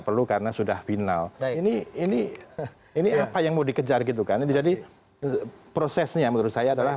perlu karena sudah final ini ini apa yang mau dikejar gitu kan jadi prosesnya menurut saya adalah